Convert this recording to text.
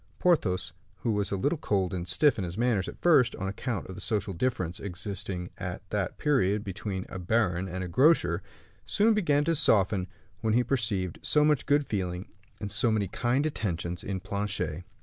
Porthos, who was a little cold and stiff in his manners at first, on account of the social difference existing at that period between a baron and a grocer, soon began to soften when he perceived so much good feeling and so many kind attentions in Planchet.